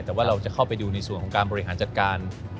แต่ว่าเราจะเข้าไปดูในส่วนของการบริหารจัดการ